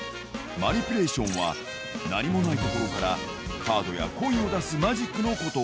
マニピュレーションは、何もない所から、カードやコインを出すマジックのこと。